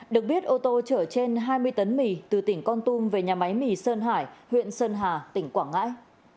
được biết ô tô chở trên hai mươi tấn mì từ tỉnh con tum về nhà máy mì sơn hải huyện sơn hà tỉnh quảng ngãi